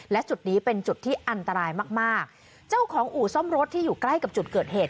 และจุดนี้เป็นจุดที่อันตรายมากมากเจ้าของอู่ซ่อมรถที่อยู่ใกล้กับจุดเกิดเหตุ